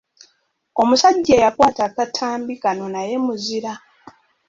Omusajja eyakwata akatambi kano naye muzira.